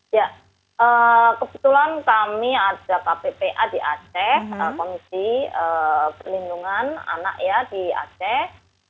ya kebetulan kami ada kppa di aceh komisi perlindungan anak ya di aceh